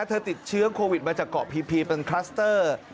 ติดเชื้อโควิดมาจากเกาะพีพีเป็นคลัสเตอร์